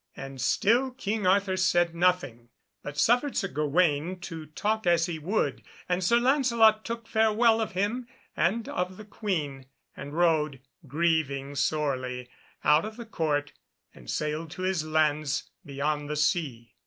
And still King Arthur said nothing, but suffered Sir Gawaine to talk as he would; and Sir Lancelot took farewell of him and of the Queen, and rode, grieving sorely, out of the Court, and sailed to his lands beyond the sea.